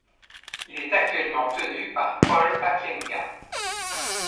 Il est actuellement tenu par Paul Bakyenga.